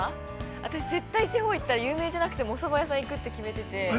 私、絶対地方に行ったら有名じゃなくてもおそば屋さんに行くって決めてて。